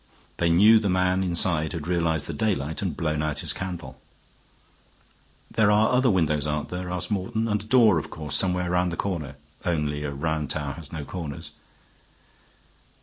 They knew the man inside had realized the daylight and blown out his candle. "There are other windows, aren't there?" asked Morton, "and a door, of course, somewhere round the corner? Only a round tower has no corners."